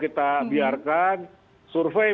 kita biarkan survei